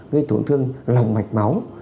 gây tổn thương lòng mạch máu